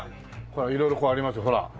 色々ありますよほら。